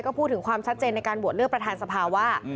ก็พูดถึงความชัดเจนในการโหวตเลือกประธานสภาว่า